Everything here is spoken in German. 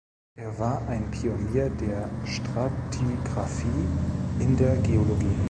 Er war ein Pionier der Stratigraphie in der Geologie.